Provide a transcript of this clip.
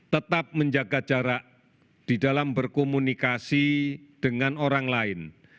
tetap menjaga jarak di dalam berkomunikasi dengan orang lain